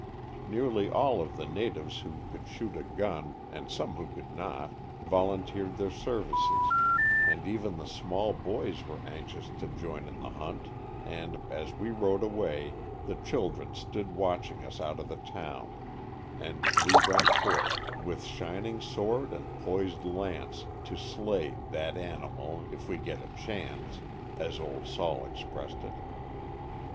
Nearly all of the natives who could shoot a gun and some who could not, volunteered their services, and even the small boys were anxious to join in the hunt and, as we rode away, the children stood watching us out of the town, and we went forth, with shining sword and poised lance to slay "thet animile — if we get a chance," as "Old Sol" expressed it.